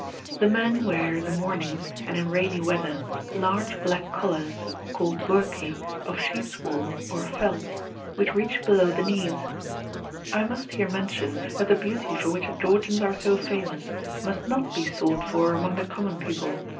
The men wear, in the mornings, and in rainy weather, large black collars (called burki) of sheep's wool, or felt, which reach below the knees. I must here mention that the beauty for which the Georgians are so famous must not be sought for among the common people.